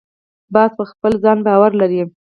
باز پر خپل ځان باور لري